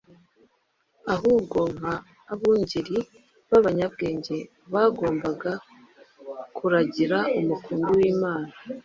ahubwo nk’abungeri b’abanyabwenge bagombaga “kuragira umukumbi w’Imana,